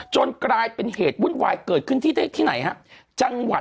กลายเป็นเหตุวุ่นวายเกิดขึ้นที่ไหนฮะ